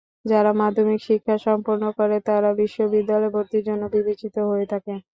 যারা মাধ্যমিক শিক্ষা সম্পূর্ণ করে তারা বিশ্ববিদ্যালয়ে ভর্তির জন্য বিবেচিত হয়ে থাকে।